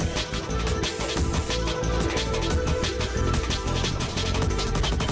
โปรดติดตามตอนต่อไป